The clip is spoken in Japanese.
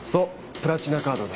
プラチナカードで。